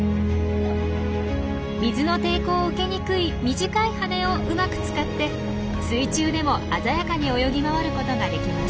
水の抵抗を受けにくい短い羽をうまく使って水中でも鮮やかに泳ぎ回ることができます。